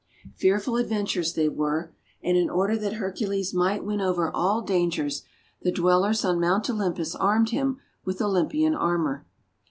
Fearful adventures they were. And in order that Hercules might win over all dangers, the Dwellers on Mount Olympus armed him with Olympian armour.